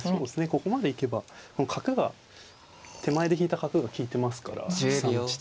ここまで行けばこの角が手前で引いた角が利いてますから１三の地点に。